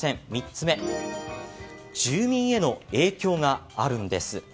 ３つ目住民への影響があるんです。